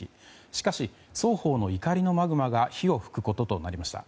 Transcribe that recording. しかし、双方の怒りのマグマが火を噴くこととなりました。